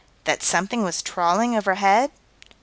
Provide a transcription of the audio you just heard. That something was trawling overhead?